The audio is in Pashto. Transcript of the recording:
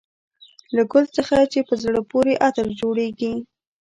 له ګل څخه یې په زړه پورې عطر جوړېږي.